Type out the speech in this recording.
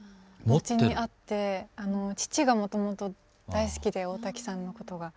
うちにあって父がもともと大好きで大滝さんのことが。